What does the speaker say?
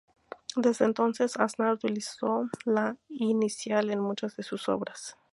Desde entonces, Aznar utilizó la Y inicial en muchas de sus obras.